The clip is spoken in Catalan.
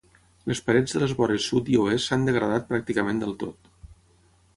Les parets de les vores sud i oest s'han degradat pràcticament del tot.